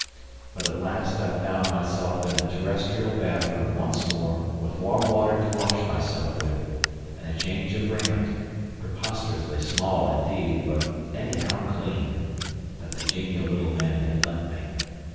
But at last I found myself in a terrestrial bathroom once more with warm water to wash myself with, and a change of raiment, preposterously small indeed, but anyhow clean, that the genial little man had lent me.